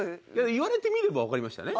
言われてみればわかりましたね。